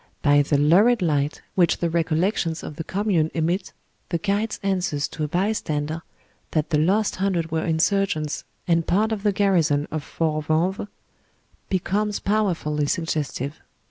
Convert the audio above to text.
By the lurid light which the recollections of the Com mune emit, the guide's answers to a bystander, that the lost hundred were insurgents and part of the garrison of Fort Vanves, becomes powerfully suggestive.